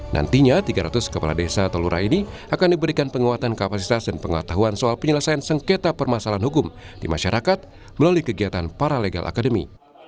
nantinya tiga ratus kepala desa atau lurah ini akan diberikan penguatan kapasitas dan pengetahuan soal penyelesaian sengketa permasalahan hukum di masyarakat melalui kegiatan paralegal academy